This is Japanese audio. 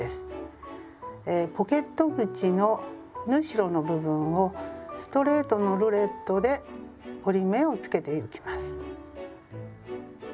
ポケット口の縫い代の部分をストレートのルレットで折り目をつけてゆきます。